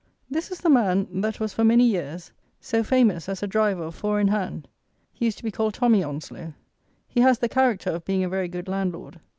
This is the man that was, for many years, so famous as a driver of four in hand. He used to be called Tommy Onslow. He has the character of being a very good landlord.